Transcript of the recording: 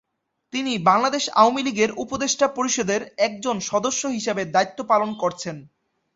তিনি বাংলাদেশ আওয়ামী লীগের উপদেষ্টা পরিষদের একজন সদস্য হিসেবে দায়িত্ব পালন করছেন।